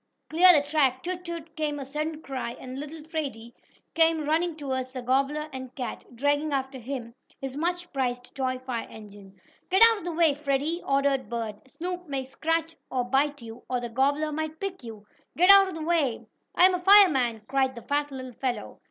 Clear the track! Toot! Toot!" came a sudden cry and little Freddie came running toward the gobbler and cat, dragging after him his much prized toy fire engine. "Get back out of the way, Freddie!" ordered Bert. "Snoop may scratch or bite you, or the gobbler may pick you. Get out of the way!" "I'm a fireman!" cried the fat little fellow.